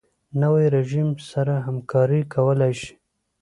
نوی رژیم سره همکاري کولای شي.